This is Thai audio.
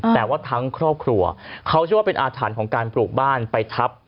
แต่ว่าทั้งครอบครัวเขาเชื่อว่าเป็นอาถรรพ์ของการปลูกบ้านไปทับ